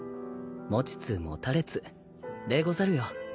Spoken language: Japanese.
持ちつ持たれつでござるよ。